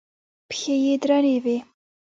پښې يې درنې وې.